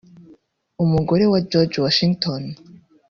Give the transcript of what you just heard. umugore wa George Washington